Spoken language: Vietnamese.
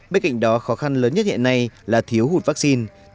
bên cạnh đó khó khăn lớn nhất hiện nay là thiếu hụt vaccine